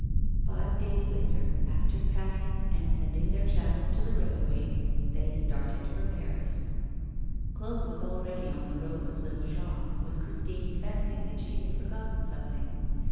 Five days later, after packing and sending their chattels to the railway, they started for Paris. Claude was already on the road with little Jacques, when Christine fancied that she had forgotten something.